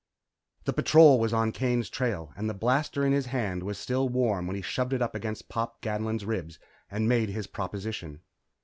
The Patrol was on Kane's trail and the blaster in his hand was still warm when he shoved it up against Pop Ganlon's ribs and made his proposition.